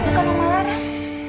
bukan oma laras